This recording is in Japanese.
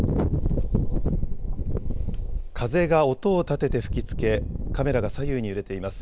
風が音を立てて吹きつけカメラが左右に揺れています。